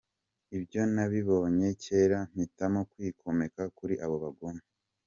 Ibyo nabibonye cyera mpitamo kwigomeka kuri abo bagome.